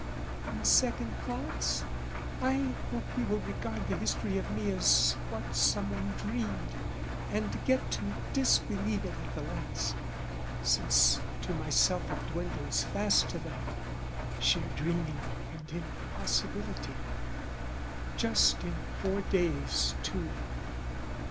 On second thoughts, I hope he will regard The history of me as what someone dreamed, And get to disbelieve it at the last: Since to myself it dwindles fast to that, Sheer dreaming and impossibility, Just in four days too!